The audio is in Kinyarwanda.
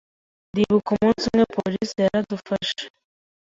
Ndibuka umunsi umwe polisi yaradufashe